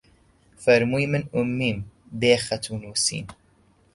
فەرمووی: من ئوممیم بێ خەت و نووسین